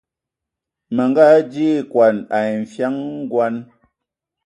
Manga adi ekɔn ai nfian ngɔn.